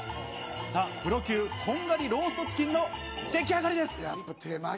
さぁプロ級、こんがりローストチキンの出来上がりです！